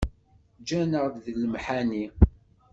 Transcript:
Ǧǧan-aɣ deg lemḥani